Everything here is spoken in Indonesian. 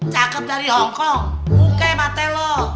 cakep dari hongkong bukai matel lo